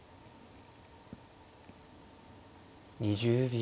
２０秒。